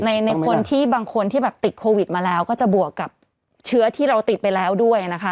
ในคนที่บางคนที่แบบติดโควิดมาแล้วก็จะบวกกับเชื้อที่เราติดไปแล้วด้วยนะคะ